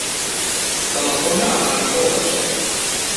Telefona a l'Anna Cobas.